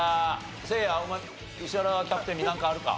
せいやお前石原キャプテンになんかあるか？